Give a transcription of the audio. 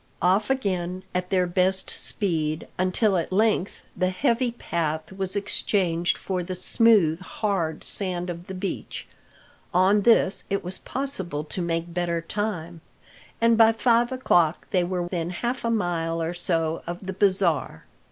Off again at their best speed, until at length the heavy path was exchanged for the smooth, hard sand of the beach. On this it was possible to make better time, and by five o'clock they were within half a mile or so of the bazaar.